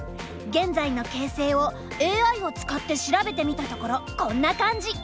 現在の形勢をＡＩを使って調べてみたところこんな感じ。